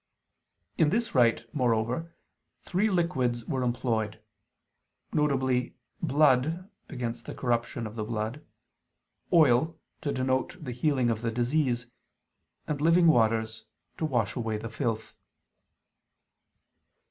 In this rite, moreover, three liquids were employed: viz. blood, against the corruption of the blood; oil, to denote the healing of the disease; and living waters, to wash away the filth.